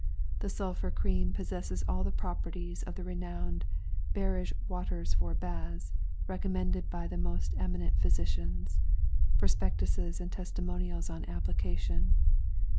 The Sulphur Cream possesses all the properties of the renowed ŌĆ£Barege Waters for baths, ŌĆØŌĆörecommended by the most eminent physicians. Prospectuses and testimonials on application.